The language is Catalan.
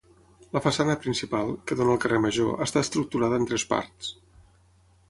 La façana principal, que dóna al carrer major, està estructurada en tres parts.